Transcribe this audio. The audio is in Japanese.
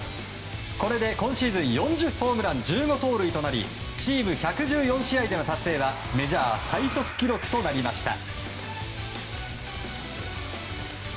これで今シーズン４０ホームラン１５盗塁となりチーム１１４試合での達成はメジャー最速記録となりました。